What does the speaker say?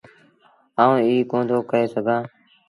آئوٚنٚ ايٚ ڪوندو ڪهي سگھآݩٚ